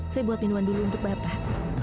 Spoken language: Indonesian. saya buat minuman dulu untuk bapak